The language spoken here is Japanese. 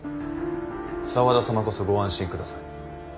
沢田様こそご安心下さい。